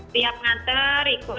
tiap nganter ikut